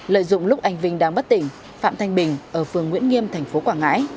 lợi dụng lúc anh vinh đang bất tỉnh phạm thanh bình ở phường nguyễn nghiêm thành phố quảng ngãi